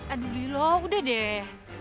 aduh lilo udah deh